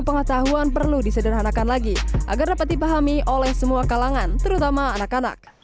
pengetahuan perlu disederhanakan lagi agar dapat dipahami oleh semua kalangan terutama anak anak